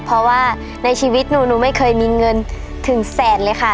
เพราะว่าในชีวิตหนูหนูไม่เคยมีเงินถึงแสนเลยค่ะ